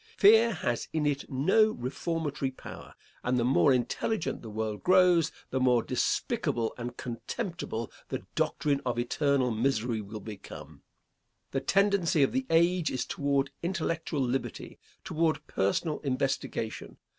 Fear has in it no reformatory power, and the more intelligent the world grows the more despicable and contemptible the doctrine of eternal misery will become. The tendency of the age is toward intellectual liberty, toward personal investigation.